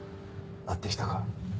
会ってきたか？